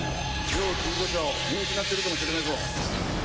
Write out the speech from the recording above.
要救助者を見失ってるかもしれないぞ。